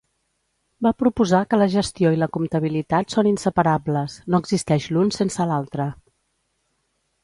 Va proposar que la gestió i la comptabilitat són inseparables, no existeix l'un sense l'altre.